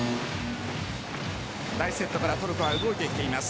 第１セットからトルコは動いてきています。